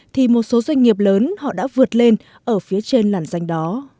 thì một số doanh nghiệp lớn họ đã vượt lên ở phía trên làn danh đó